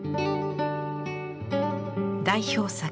代表作